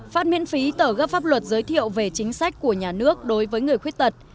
phát miễn phí tờ gấp pháp luật giới thiệu về chính sách của nhà nước đối với người khuyết tật